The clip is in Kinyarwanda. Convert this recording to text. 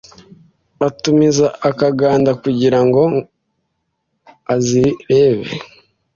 atumiza akaganda kugira ngo azirebe